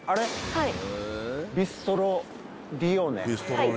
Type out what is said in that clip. はい。